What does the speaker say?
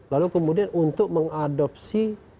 lalu kemudian untuk mengadopsi